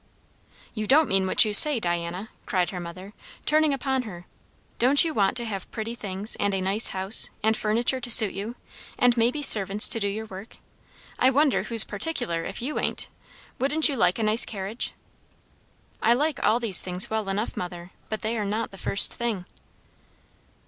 "You don't mean what you say, Diana!" cried her mother, turning upon her. "Don't you want to have pretty things, and a nice house, and furniture to suit you, and maybe servants to do your work? I wonder who's particular, if you ain't! Wouldn't you like a nice carriage?" "I like all these things well enough, mother; but they are not the first thing."